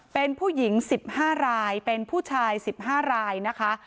เป็นผู้หญิง๑๕รายเป็นผู้ชาย๑๕รายนะคะ